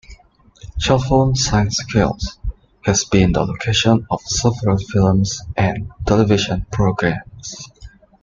Chalfont Saint Giles has been the location of several film and television programmes.